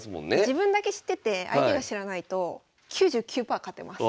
自分だけ知ってて相手が知らないと９９パー勝てます。